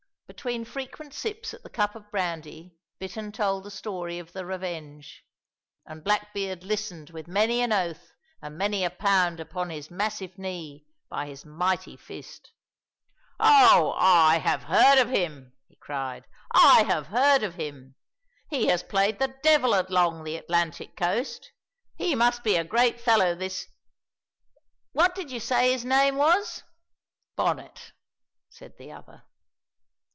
Between frequent sips at the cup of brandy Bittern told the story of the Revenge, and Blackbeard listened with many an oath and many a pound upon his massive knee by his mighty fist. "Oh, I have heard of him," he cried, "I have heard of him! He has played the devil along the Atlantic coast. He must he a great fellow this what did you say his name was?" "Bonnet," said the other.